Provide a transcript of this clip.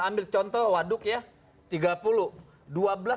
ambil contoh waduk ya